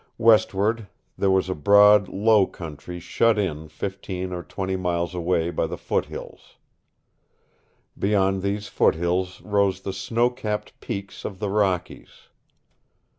Westward there was a broad low country shut in fifteen or twenty miles away by the foothills. Beyond these foothills rose the snow capped peaks of the Rockies.